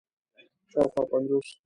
شاوخوا پنځوس